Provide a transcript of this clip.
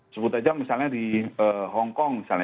sebut aja misalnya di hongkong misalnya